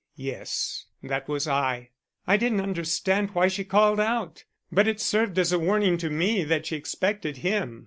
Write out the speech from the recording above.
"Yes, that was I. I didn't understand why she called out, but it served as a warning to me that she expected him.